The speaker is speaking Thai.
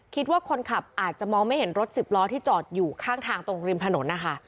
คิดว่าคนขับอาจจะมองไม่เห็นรถสิบล้อที่จอดอยู่ข้างทางตรงริมถนนนะคะ